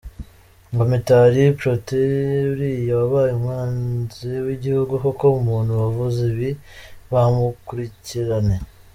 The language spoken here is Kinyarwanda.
Ngo Mitali Protais? Uriya wabaye umwanzi w’igihugu koko! Umuntu wavuze ibi bamukurikirane .